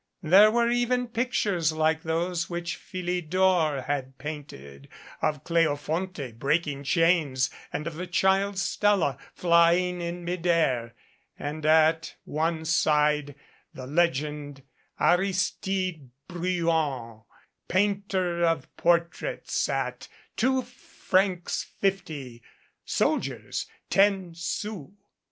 There were even pictures like those which Philidor had painted, of Cleofonte breaking chains and of the child 301 MADCAP Stella flying in mid air, and at one side the legend "Aris tide Bruant, painter of portraits at two francs fifty soldiers ten sous."